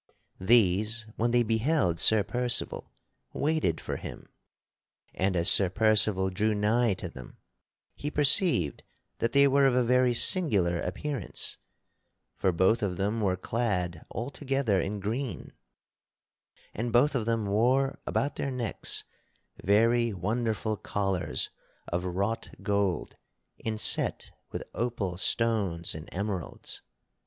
[Sidenote: Sir Percival meets two strange people] These, when they beheld Sir Percival, waited for him, and as Sir Percival drew nigh to them he perceived that they were of a very singular appearance. For both of them were clad altogether in green, and both of them wore about their necks very wonderful collars of wrought gold inset with opal stones and emeralds.